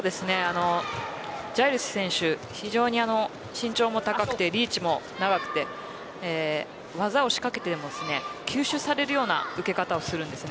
ジャイルス選手、非常に身長も高くてリーチも長くて技を仕掛けても吸収するような抜け方をします。